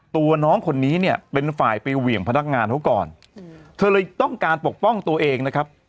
ตัวน้องคนนี้เนี่ยเป็นฝ่ายไปเหวี่ยงพนักงานเขาก่อนเธอเลยต้องการปกป้องตัวเองนะครับ